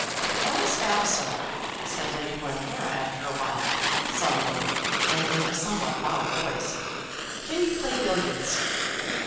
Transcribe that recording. "Alice Vavasor," said Lady Glencora after a while, suddenly, and in a somewhat loud voice, "can you play billiards?"